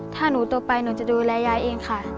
ถ้าหนูโตไปหนูจะดูแลยายเองค่ะ